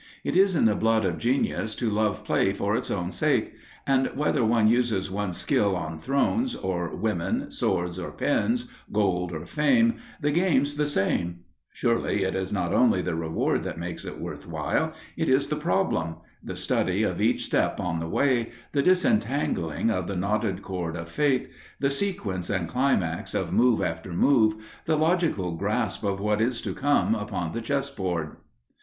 It is in the blood of genius to love play for its own sake, and whether one uses one's skill on thrones or women, swords or pens, gold or fame, the game's the thing! Surely, it is not only the reward that makes it worth while, it is the problem the study of each step on the way, the disentangling of the knotted cord of fate, the sequence and climax of move after move, the logical grasp of what is to come upon the chess board.